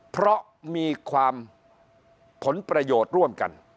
เพราะมีความผลประโยชน์ร่วมกัน